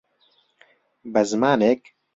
به زمانێک،